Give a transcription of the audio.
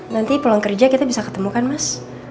nanti pulang kerja kita bisa ketemu kan mas